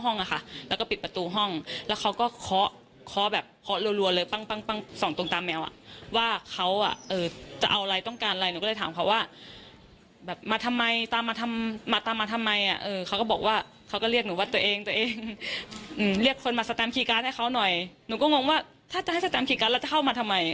หนูก็งงว่าถ้าจะให้สแตมคีย์การ์ดแล้วจะเข้ามาทำไม